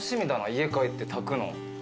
家帰ってたくの。